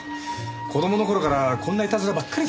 子供の頃からこんないたずらばっかりする。